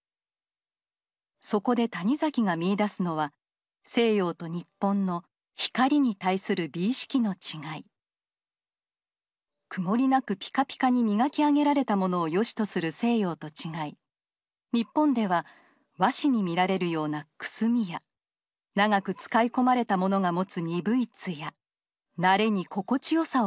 そこで谷崎が見いだすのは西洋と日本の曇りなくピカピカに磨き上げられたものをよしとする西洋と違い日本では和紙に見られるようなくすみや長く使い込まれたものが持つ鈍い艶なれに心地よさを感じる。